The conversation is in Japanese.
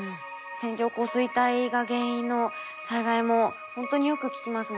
線状降水帯が原因の災害もほんとによく聞きますもんね。